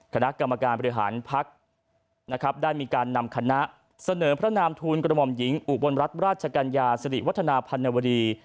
คณะกรรมการบริหารพักนะครับได้มีการนำคณะเสนอพระนามทูลกระหม่อมหญิงอุบลรัฐราชกัญญาสิริวัฒนาพันวดี